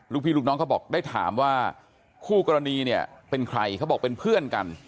พี่ลูกน้องเขาบอกได้ถามว่าคู่กรณีเนี่ยเป็นใครเขาบอกเป็นเพื่อนกัน